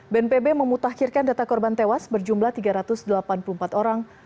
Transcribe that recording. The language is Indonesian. bnpb memutakhirkan data korban tewas berjumlah tiga ratus delapan puluh empat orang